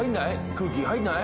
空気入んない？